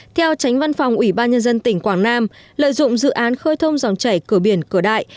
theo tránh văn phòng ủy ban nhân dân tỉnh quảng nam lợi dụng dự án khơi thông dòng chảy cửa biển cửa đại